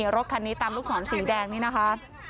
รถคันนี้ตามลูกศรสีแดงนี่นะคะ